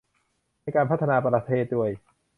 ในการพัฒนาประเทศด้วย